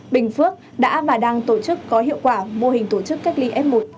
bình phước đã và đang tổ chức có hiệu quả mô hình tổ chức cách ly f một